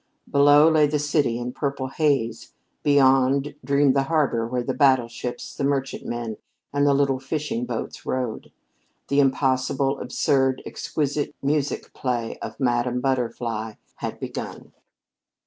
Below lay the city in purple haze; beyond dreamed the harbor where the battleships, the merchantmen and the little fishing boats rode. The impossible, absurd, exquisite music play of "Madame Butterfly" had begun.